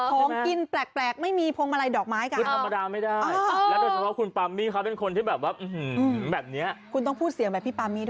หอมกินแปลกไม่มีพวงมาลัยดอกไม้กันคือธรรมดาไม่ได้และโดยเฉพาะคุณปรามมี่ครับเป็นคนที่แบบว่าคือ